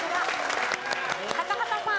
高畑さん。